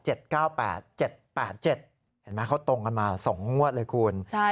เห็นไหมเขาตรงกันมา๒งวดเลยคุณ